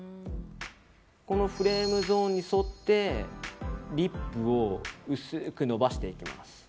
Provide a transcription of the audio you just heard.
このフレームゾーンに沿ってリップを薄く伸ばしていきます。